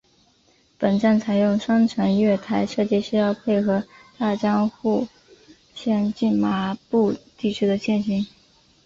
本站采用双层月台设计是要配合大江户线近麻布地区的线形。